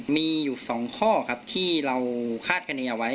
มีอยู่๒ข้อครับที่เราคาดกันเองเอาไว้